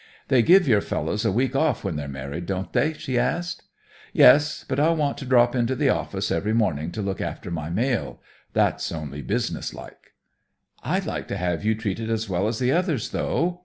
"They give your fellows a week off when they're married, don't they?" she asked. "Yes, but I'll want to drop into the office every morning to look after my mail. That's only businesslike." "I'd like to have you treated as well as the others, though."